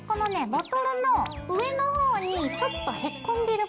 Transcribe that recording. ボトルの上の方にちょっとへこんでる部分。